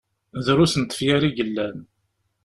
Drus n tefyar i yellan.